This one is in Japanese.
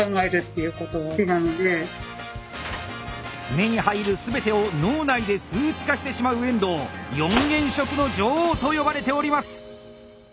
目に入る全てを脳内で数値化してしまう遠藤！と呼ばれております！